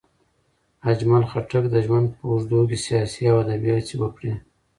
اجمل خټک د ژوند په اوږدو کې سیاسي او ادبي هڅې وکړې.